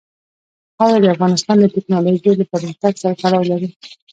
خاوره د افغانستان د تکنالوژۍ له پرمختګ سره تړاو لري.